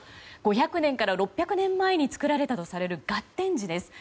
５００年から６００年前に作られたとされる月天子です。